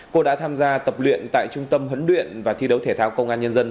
cô đã tham gia tập luyện tại trung tâm huấn luyện và thi đấu thể thao công an nhân dân